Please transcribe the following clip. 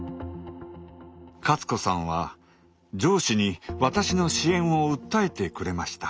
勝子さんは上司に私の支援を訴えてくれました。